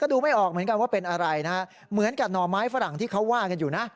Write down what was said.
ดูไม่ออกเหมือนกันว่าเป็นอะไรนะฮะเหมือนกับหน่อไม้ฝรั่งที่เขาว่ากันอยู่นะ